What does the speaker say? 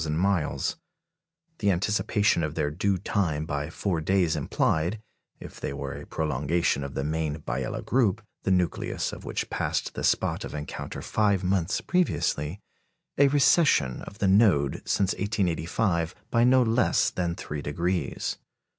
The anticipation of their due time by four days implied if they were a prolongation of the main Biela group, the nucleus of which passed the spot of encounter five months previously a recession of the node since 1885 by no less than three degrees.